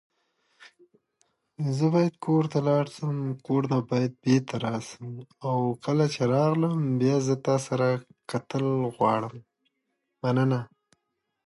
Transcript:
طبیعي زیرمې د افغانستان د چاپیریال د مدیریت لپاره ډېر مهم او اړین دي.